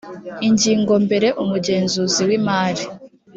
ingingo mbere umugenzuzi w imari